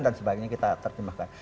dan sebagainya kita terjemahkan